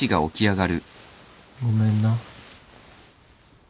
ごめんな。